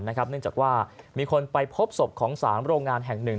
เนื่องจากว่ามีคนไปพบศพของ๓โรงงานแห่งหนึ่ง